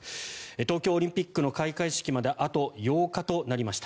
東京オリンピックの開会式まであと８日となりました。